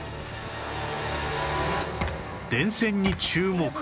電線に注目